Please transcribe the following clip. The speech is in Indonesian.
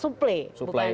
supply ikan dulu